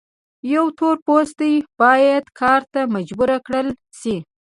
یو تور پوستی باید کار ته مجبور کړل شي.